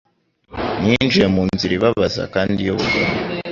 Ninjiye munzira ibabaza kandi yubugome